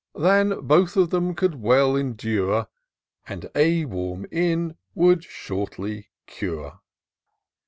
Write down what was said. Than both of them could well endure. And a warm inn would shortly cure.